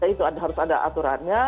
itu harus ada aturannya